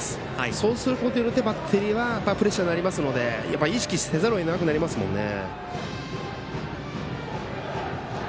そうするとバッテリーにはプレッシャーになりますので意識せざるをえなくなりますよね。